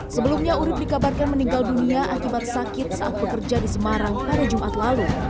sebelumnya urib dikabarkan meninggal dunia akibat sakit saat bekerja di semarang pada jumat lalu